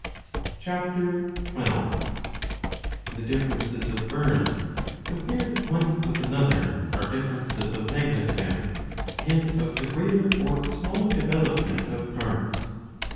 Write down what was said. (C/i. 12.^ The differences of birds ^ compared one with another are differences of magnitude, and of the greater or smaller development of parts.